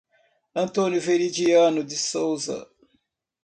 Antônio Veridiano de Souza